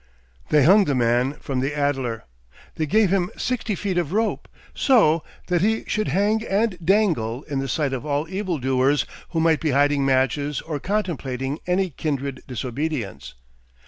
They hung the man from the Adler. They gave him sixty feet of rope, so, that he should hang and dangle in the sight of all evil doers who might be hiding matches or contemplating any kindred disobedience.